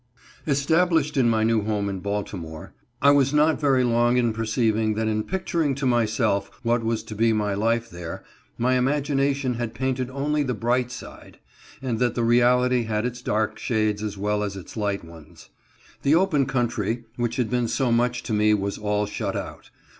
ESTABLISHED in my new home in Baltimore, I was not very long in perceiving that in picturing to my self what was to be my life there, my imagination had painted only the bright side ; and that the reality had its dark shades as well as its light ones. The open coun try which had been so much to me was all shut out.